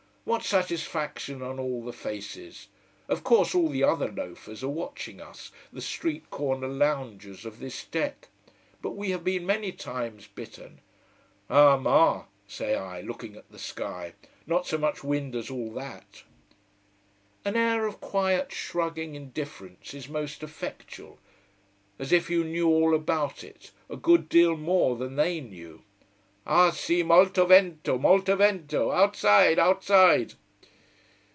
What satisfaction on all the faces: of course all the other loafers are watching us, the street corner loungers of this deck. But we have been many times bitten. "Ah ma!" say I, looking at the sky, "not so much wind as all that." An air of quiet, shrugging indifference is most effectual: as if you knew all about it, a good deal more than they knew. "Ah si! Molto vento! Molto vento! Outside! Outside!"